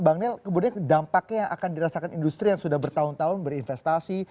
bang nel kemudian dampaknya yang akan dirasakan industri yang sudah bertahun tahun berinvestasi